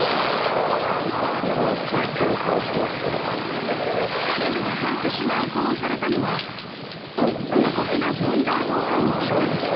おばあちゃんっぽい顔してま彼女が半年前、保護されたのは、過酷なブリーダー崩壊の現場でした。